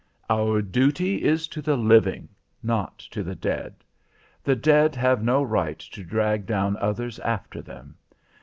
"Our duty is to the living, not to the dead. The dead have no right to drag down others after them.